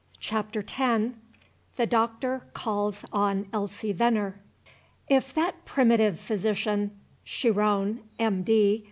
CHAPTER X. THE DOCTOR CALLS ON ELSIE VENNER. If that primitive physician, Chiron, M. D.